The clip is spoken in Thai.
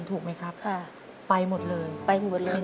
ถูกไหมครับไปหมดเลยเป็นฉนดนี่นะครับ